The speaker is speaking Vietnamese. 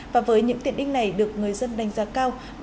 và với những tiện ích này được người dân đánh giá cao